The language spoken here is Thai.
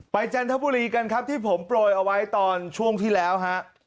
จันทบุรีกันครับที่ผมโปรยเอาไว้ตอนช่วงที่แล้วฮะ